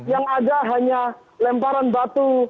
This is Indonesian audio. yang ada hanya lemparan batu